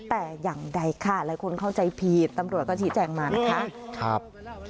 แต่อย่างใดค่ะหลายคนเข้าใจผิดตำรวจก็ชี้แจงมานะคะ